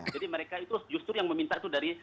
jadi mereka itu justru yang meminta itu dari